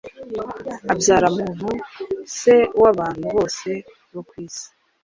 abyara Muntu, Se w'Abantu bose bo kw'isi.